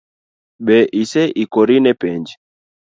Be ise ikori ne penj?